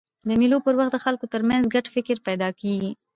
د مېلو پر وخت د خلکو ترمنځ ګډ فکر پیدا کېږي.